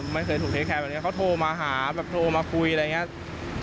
ไม่เคยถูกเทคแคร์แบบนี้เขาโทรมาหาแบบโทรมาคุยอะไรอย่างนี้